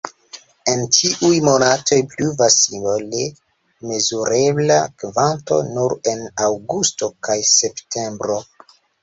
En ĉiuj monatoj pluvas simbole, mezurebla kvanto nur en aŭgusto kaj septembro.